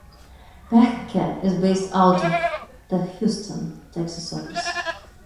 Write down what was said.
Behncke is based out of the Houston, Texas office.